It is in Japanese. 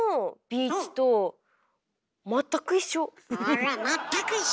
あら「全く一緒」！